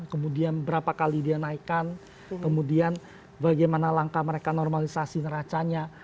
kemudian berapa kali dia naikkan kemudian bagaimana langkah mereka normalisasi neracanya